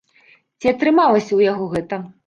Ці атрымалася ў яго гэта?